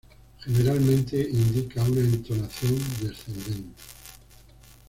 Generalmente, indica una entonación descendente.